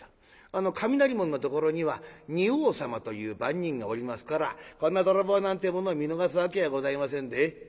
あの雷門のところには仁王様という番人がおりますからこんな泥棒なんてぇものを見逃すわけございませんで。